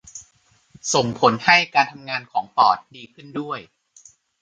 ส่งผลให้การทำงานของปอดดีขึ้นด้วย